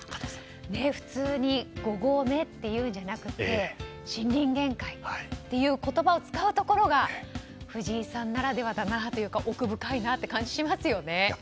普通に５合目って言うんじゃなくて森林限界っていう言葉を使うところが藤井さんならではだなというか奥深いなと感じますね。